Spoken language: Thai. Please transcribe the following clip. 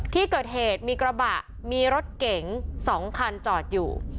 ที่เกิดเหตุมีกระบะมีรถเก๋ง๒คันจอดอยู่